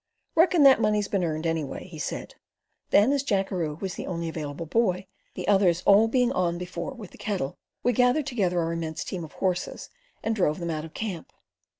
"Reckon that money's been earned, anyway," he said. Then, as Jackeroo was the only available "boy," the others all being on before with the cattle, we gathered together our immense team of horses and drove them out of camp.